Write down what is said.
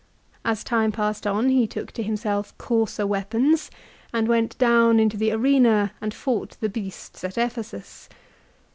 As time passed on he took to himself coarser weapons, and went down into the arena and fought the beasts at Ephesus.